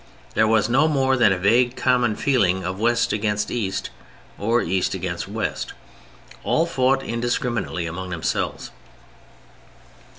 There was no more than a vague common feeling of West against East or East against West; all fought indiscriminately among themselves.